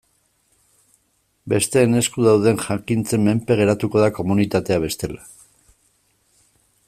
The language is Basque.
Besteen esku dauden jakintzen menpe geratuko da komunitatea bestela.